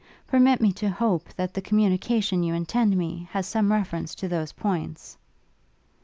permit me to hope, that the communication you intend me, has some reference to those points?'